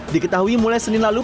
diketahui mulai senin lalu